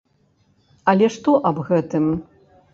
Але што аб гэтым?